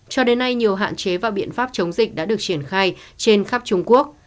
cho đến nay nhiều hạn chế và biện pháp chống dịch đã được triển khai trên khắp trung quốc